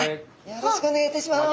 よろしくお願いします。